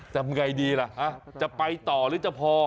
จะเป็นไงดีล่ะจะไปต่อหรือจะพอ